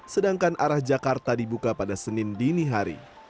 sedangkan arah jakarta dibuka pada senin dinihari